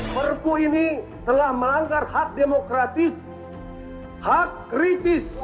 perpu ini telah melanggar hak demokratis hak kritis